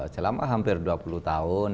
selama hampir dua puluh tahun